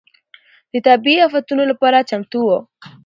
د طبيعي افتونو لپاره چمتو و.